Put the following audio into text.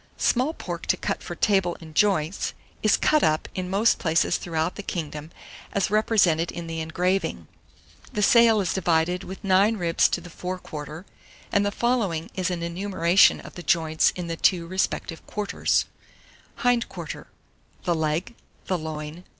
Small pork to cut for table in joints, is cut up, in most places throughout the kingdom, as represented in the engraving. The sale is divided with nine ribs to the fore quarter; and the following is an enumeration of the joints in the two respective quarters: 1. The leg. HIND QUARTER 2. The loin.